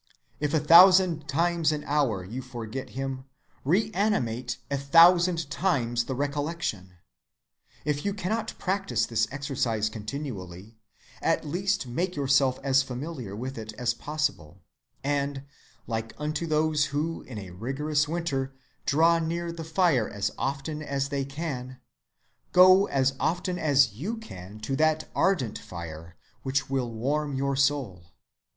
If a thousand times an hour you forget him, reanimate a thousand times the recollection. If you cannot practice this exercise continuously, at least make yourself as familiar with it as possible; and, like unto those who in a rigorous winter draw near the fire as often as they can, go as often as you can to that ardent fire which will warm your soul."